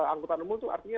angkutan emun itu artinya